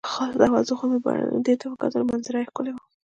له خلاصو دروازو څخه مې وه برنډې ته کتل، منظره یې ښکلې وه.